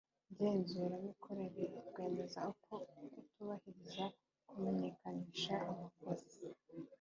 Ngenzuramikorere rwemeza uko kutubahiriza kumenyekanisha amakuru